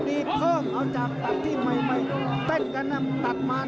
นี่คือยอดมวยแท้รักที่ตรงนี้ครับ